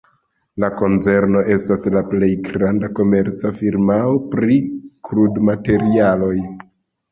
La konzerno estas la plej granda komerca firmao pri krudmaterialoj.